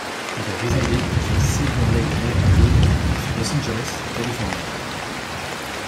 They resided in the Silver Lake neighborhood of Los Angeles, California.